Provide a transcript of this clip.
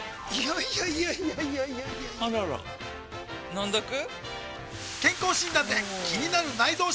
いやいやいやいやあらら飲んどく？